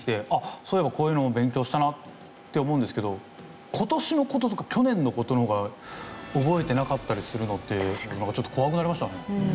そういえばこういうのも勉強したなって思うんですけど今年の事とか去年の事の方が覚えてなかったりするのってなんかちょっと怖くなりましたね。